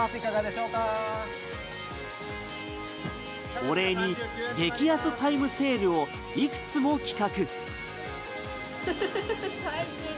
お礼に激安タイムセールをいくつも企画。